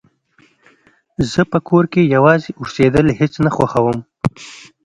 زه په کور کې يوازې اوسيدل هيڅ نه خوښوم